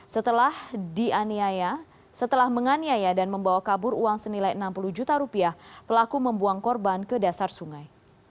setelah dianiaya setelah menganiaya dan membawa kabur uang senilai enam puluh juta rupiah pelaku membuang korban ke dasar sungai